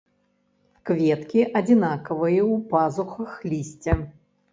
Кветкі адзінкавыя ў пазухах лісця.